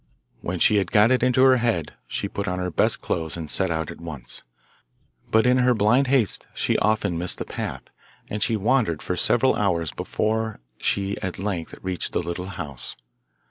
When she had got it into her head, she put on her best clothes and set out at once. But in her blind haste she often missed the path, and she wandered for several hours before she at length reached the little house.